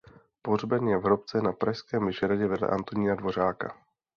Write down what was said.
Pohřben je v hrobce na pražském Vyšehradě vedle Antonína Dvořáka.